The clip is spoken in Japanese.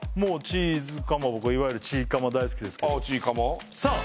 チーズかまぼこいわゆるチーかま大好きですけどさあ